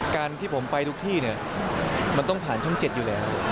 การที่ผมไปทุกที่เนี่ยมันต้องผ่านช่อง๗อยู่แล้ว